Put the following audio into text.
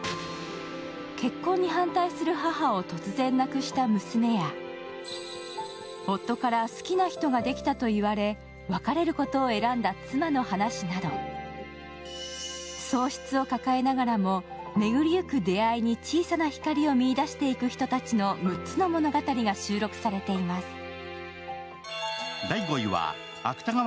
結婚に反対する母を突然亡くした娘や夫から、好きな人ができたと言われ別れることを選んだ妻の話など喪失を抱えながらも巡りゆく出会いに小さな光を見出していく人たちの６つの物語が収録されています。